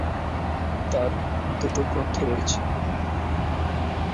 তার দু'টো গ্রন্থ রয়েছে।